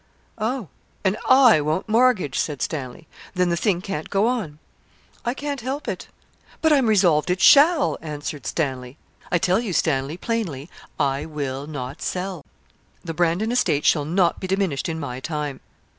'Oh? And I won't mortgage,' said Stanley. 'Then the thing can't go on?' 'I can't help it.' 'But I'm resolved it shall,' answered Stanley. 'I tell you, Stanley, plainly, I will not sell. The Brandon estate shall not be diminished in my time.'